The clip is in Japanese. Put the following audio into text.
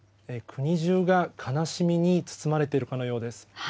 国じゅうが悲しみに包まれてるかのようです。